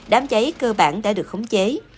đám cháy cơ bản đã được khống chế